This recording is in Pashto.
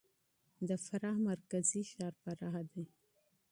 د فراه مرکزي ښار فراه دی.